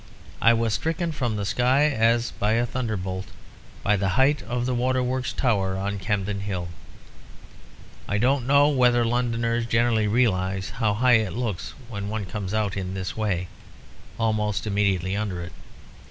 I was stricken from the sky as by a thunderbolt, by the height of the Waterworks Tower on Campden Hill. I don't know whether Londoners generally realise how high it looks when one comes out, in this way, almost immediately under it.